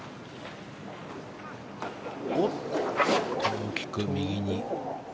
大きく右に。